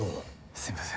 すみません